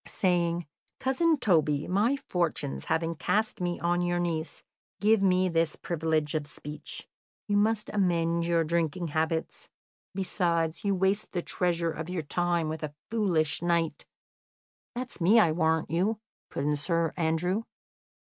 "Saying, 'Cousin Toby, my fortunes having cast me on your niece, give me this privilege of speech. You must amend your drinking habits. Besides, you waste the treasure of your time with a foolish knight '" "That's me, I warrant you," put in Sir Andrew.